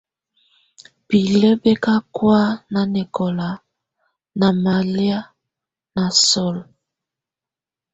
Pilǝ́ bɛ̀ ka kɔ̀́á nanɛkɔla nà malɛ̀á nà solo.